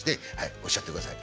おっしゃってください。